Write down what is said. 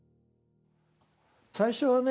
最初はね